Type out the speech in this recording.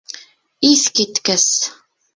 — Иҫ киткес.